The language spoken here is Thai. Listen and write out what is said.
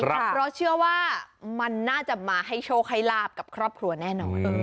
เพราะเชื่อว่ามันน่าจะมาให้โชคให้ลาบกับครอบครัวแน่นอน